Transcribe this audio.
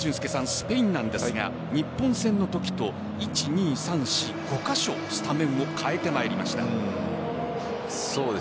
スペインなんですが日本戦のときと１、２、３、４、５カ所スタメンを代えてまいりました。